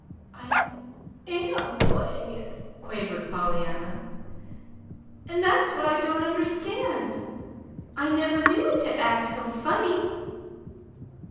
"I AM playing it," quavered Pollyanna. "And that's what I don't understand. I never knew it to act so funny.